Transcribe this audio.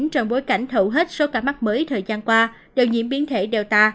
trong bối cảnh thậu hết số ca mắc mới thời gian qua đều nhiễm biến thể delta